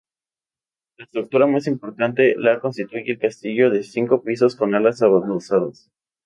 La estructura más importante la constituye el castillo de cinco pisos con alas adosadas.